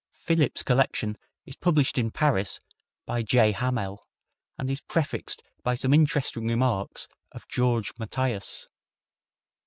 Philipp's collection is published in Paris by J. Hamelle, and is prefixed by some interesting remarks of Georges Mathias.